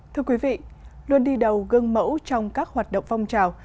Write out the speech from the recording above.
thưa quý vị luôn đi đầu gương mẫu trong các hoạt động phong trào